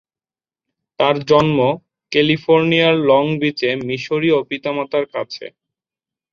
তার জন্ম ক্যালিফোর্নিয়ার লং বিচে মিশরীয় পিতামাতার কাছে।